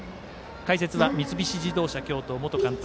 解説は三菱自動車京都元監督